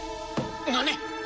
何！？